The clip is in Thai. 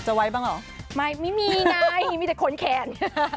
ไว้บ้างเหรอไม่ไม่มีไงมีแต่ขนแขน